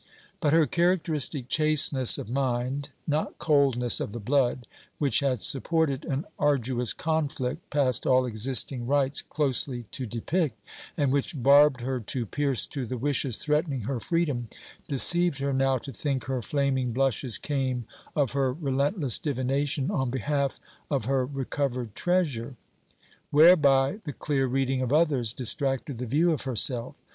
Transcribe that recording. But her characteristic chasteness of mind, not coldness of the 'blood, which had supported an arduous conflict, past all existing rights closely to depict, and which barbed her to pierce to the wishes threatening her freedom, deceived her now to think her flaming blushes came of her relentless divination on behalf of her recovered treasure: whereby the clear reading of others distracted the view of herself.